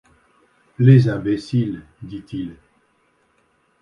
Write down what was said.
Les imbéciles! dit-il.